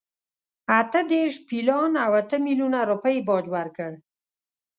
اته دېرش پیلان او اته میلیونه روپۍ باج ورکړ.